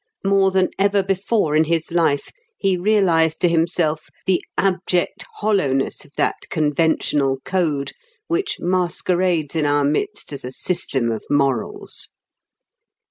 More than ever before in his life he realised to himself the abject hollowness of that conventional code which masquerades in our midst as a system of morals.